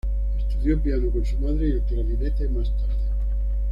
Estudió piano con su madre, y el clarinete más tarde.